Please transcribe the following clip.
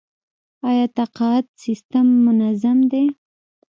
آیا تقاعد سیستم منظم دی؟